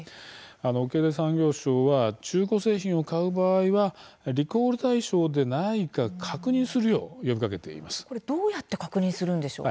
経済産業省は中古製品を買う場合はリコール対象でないかどうやって確認するんでしょうか。